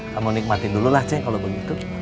kamu nikmatin dulu lah ceng kalau begitu